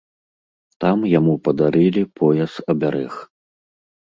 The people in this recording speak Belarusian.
Там яму падарылі пояс-абярэг.